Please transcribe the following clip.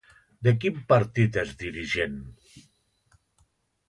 De quin partit és dirigent?